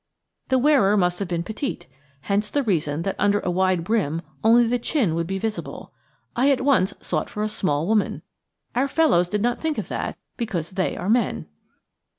The wearer must have been petite, hence the reason that under a wide brim only the chin would be visible. I at once sought for a small woman. Our fellows did not think of that, because they are men."